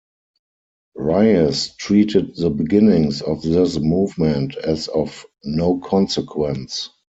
Riaz treated the beginnings of this movement as of no consequence.